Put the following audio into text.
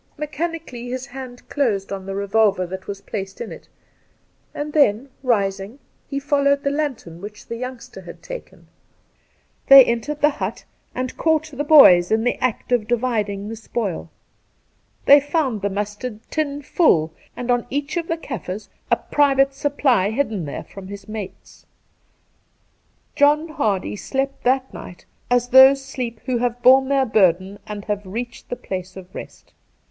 Mechanically his hand closed on the revolver that was placed in it, and then, rising, he followed the lantern which the youngster had taken. They entered the hut and caught the boys in the act of dividing the spoil. They found the mustard Two Christmas Days 195 tin full, apd on each of the Kaffirs a private supply hidden there from his mates. John Hardy slept that night as those sleep who have borne their burden and have reached the place of rest.